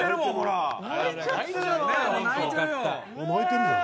泣いてるじゃん！